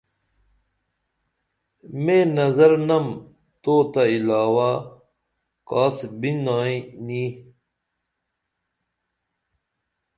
میں نظر نم تو تہ علاوہ کاس بِنائیں نی